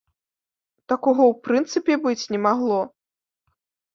Такога ў прынцыпе быць не магло.